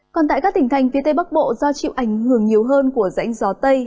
còn tại các tỉnh thành phía tây bắc bộ do chịu ảnh hưởng nhiều hơn của rãnh gió tây